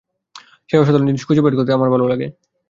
সেই অসাধারণ জিনিস খুঁজে বের করতে আমার ভাল লাগে।